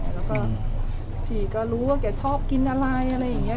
แล้วก็พี่ก็รู้ว่าแกชอบกินอะไรอะไรอย่างนี้